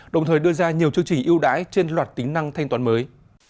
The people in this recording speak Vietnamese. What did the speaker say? đồng thời đưa ra nhiều chương trình ưu đãi trên loạt tính năng thanh toán mới